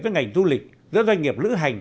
với ngành du lịch giữa doanh nghiệp lữ hành